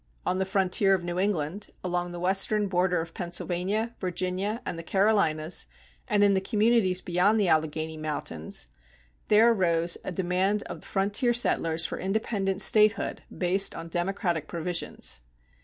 On the frontier of New England, along the western border of Pennsylvania, Virginia, and the Carolinas, and in the communities beyond the Alleghany Mountains, there arose a demand of the frontier settlers for independent statehood based on democratic provisions.